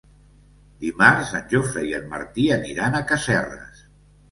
Dimarts en Jofre i en Martí aniran a Casserres.